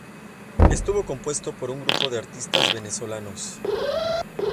Estuvo compuesto por un grupo de artistas venezolanos.